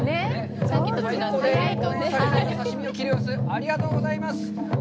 ありがとうございます。